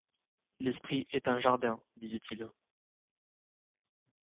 L'esprit est un jardin, disait-il.